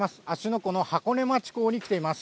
湖の箱根町港に来ています。